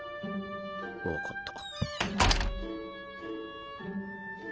わかった。